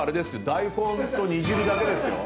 大根と煮汁だけですよ？